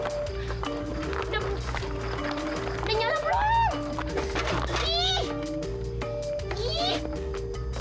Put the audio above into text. udah nyala belum